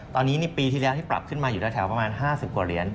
ตอนนี้ปีที่แล้วที่ปรับขึ้นมาอยู่แถวประมาณ๕๐กว่าเหรียญ